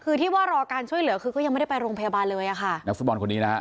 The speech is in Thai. คือที่ว่ารอการช่วยเหลือคือก็ยังไม่ได้ไปโรงพยาบาลเลยอ่ะค่ะนักฟุตบอลคนนี้นะฮะ